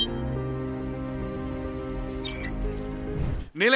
dengan kekuatan ekonomi indonesia